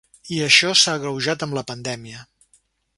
I això s’ha agreujat amb la pandèmia.